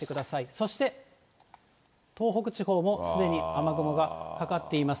そして東北地方もすでに雨雲がかかっています。